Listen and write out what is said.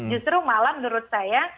justru malam menurut saya